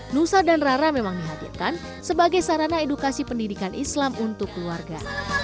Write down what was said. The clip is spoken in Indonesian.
nusa dan rara memang dihadirkan sebagai sarana edukasi pendidikan islam untuk keluarga